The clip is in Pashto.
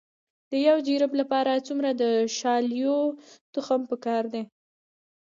د یو جریب لپاره څومره د شالیو تخم پکار دی؟